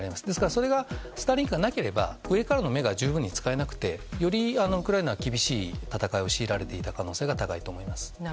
ですからスターリンクがなければ上からの目が十分に使えなくてより、ウクライナは厳しい戦いを強いられていた可能性が高いと思います。